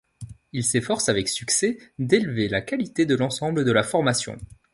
Il s'efforce avec succès d'élever la qualité de l'ensemble de la formation.